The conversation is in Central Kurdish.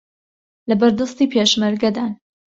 لەبەردەستی پێشمەرگەدان